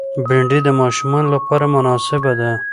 بېنډۍ د ماشومانو لپاره مناسبه ده